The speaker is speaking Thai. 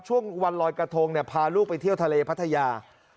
ช่วงวันลอยกระทงพาลูกไปเที่ยวทะเลพัทยา